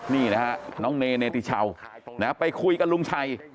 นี่นะฮะน้องเนติชาวไปคุยกับลุงชัย